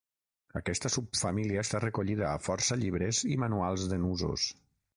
Aquesta subfamília està recollida a força llibres i manuals de nusos.